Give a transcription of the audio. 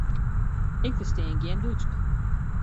Ik ferstean gjin Dútsk.